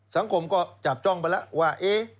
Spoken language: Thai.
สังคมก็จับจ้องไปแล้วว่า